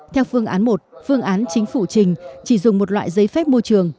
theo phương án một phương án chính phủ trình chỉ dùng một loại giấy phép môi trường